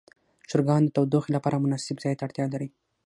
چرګان د تودوخې لپاره مناسب ځای ته اړتیا لري.